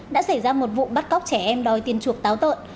đã xảy ra một vụ bắt cóc trẻ em đòi tiền chuộc táo tợn